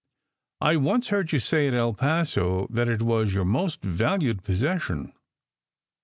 I once heard you say at El Paso that it was your most valued possession!"